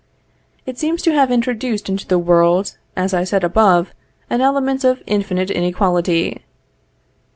It seems to have introduced into the world, as I said above, an element of infinite inequality.